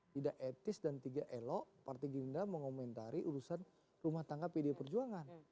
tidak etis dan tidak elok partai gerindra mengomentari urusan rumah tangga pdi perjuangan